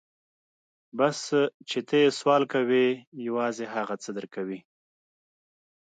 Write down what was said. بس چې ته يې سوال کوې يوازې هغه څه در کوي.